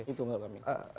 itu menurut kami